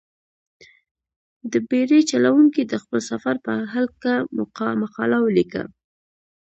دې بېړۍ چلوونکي د خپل سفر په هلکه مقاله ولیکله.